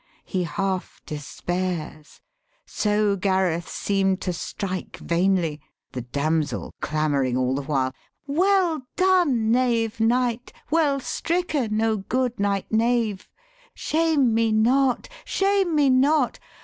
He half despairs; so Gareth seem'd to strike Vainly, the damsel clamoring all the while, ' Well done, knave knight, well stricken, O good knight knave Shame me not, shame me not.